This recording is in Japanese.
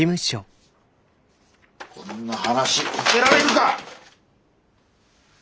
こんな話受けられるか！